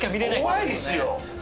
怖いっすよ。